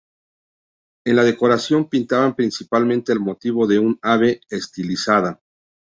En la decoración pintaban principalmente el motivo de un ave estilizada.